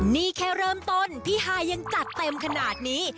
นี่แค่เริ่มต้นพี่ฮายังจัดเต็มขนาดนี้